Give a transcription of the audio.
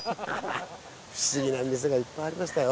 不思議な店がいっぱいありましたよ。